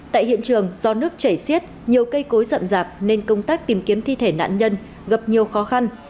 tại hiện trường do nước chảy xiết nhiều cây cối rậm rạp nên công tác tìm kiếm thi thể nạn nhân gặp nhiều khó khăn